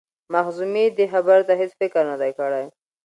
مخزومي دې خبرې ته هیڅ فکر نه دی کړی.